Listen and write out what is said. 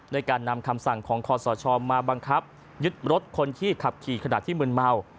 การนำคำสั่งของคอสชมาบังคับยึดรถคนที่ขับขี่ขณะที่มืนเมา